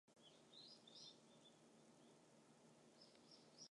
我々は個人的自己として絶対矛盾的自己同一的なるもの超越的なるものに対しているのである。